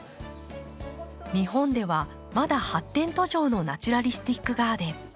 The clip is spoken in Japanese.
日本ではまだ発展途上のナチュラリスティックガーデン。